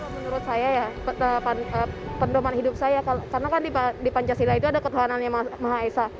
menurut saya ya pendoman hidup saya karena kan di pancasila itu ada ketahanannya maha esa